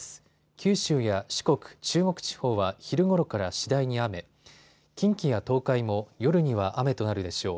九州や四国、中国地方は昼ごろから次第に雨、近畿や東海も夜には雨となるでしょう。